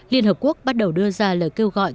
liên hợp quốc bắt đầu đưa ra lời kêu gọi